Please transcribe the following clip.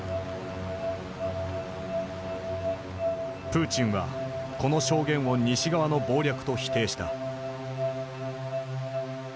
プーチンはこの証言を西側の謀略と否定した。